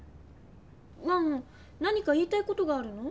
ワン何か言いたいことがあるの？